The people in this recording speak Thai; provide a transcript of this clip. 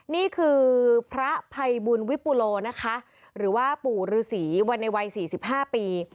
นี่คือพระไพบุณวิปุโหรค่ะหรือว่าปู่ฤษีวันไวร์สี่สิบห้าปี